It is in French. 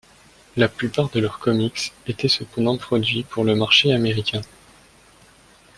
La plupart de leurs comics étaient cependant produits pour le marché américain.